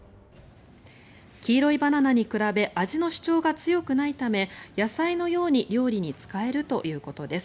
黄色いバナナに比べ味の主張が強くないため野菜のように料理に使えるということです。